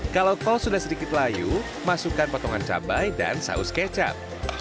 kalau kol sudah sedikit layu masukkan potongan cabai dan saus kecap